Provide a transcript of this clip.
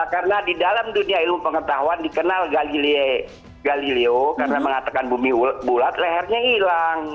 karena di dalam dunia ilmu pengetahuan dikenal galileo karena mengatakan bumi bulat lehernya hilang